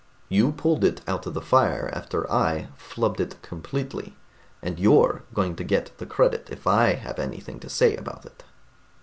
You pulled it out of the fire after I flubbed it completely, and you're going to get the credit, if I have anything to say about it."